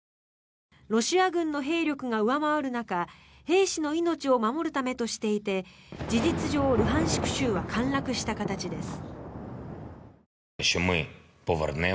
ロシア軍の兵力が上回る中兵士の命を守るためとしていて事実上、ルハンシク州は陥落した形です。